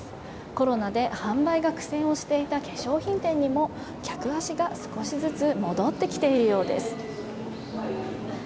コロナで販売が苦戦をしていた化粧品店にも客足が少しずつ戻ってきているようです。